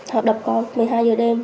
họ đập con một mươi hai h đêm